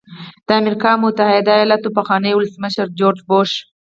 د امریکا متحده ایالاتو پخواني ولسمشر جورج بوش.